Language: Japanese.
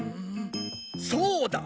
そうだ！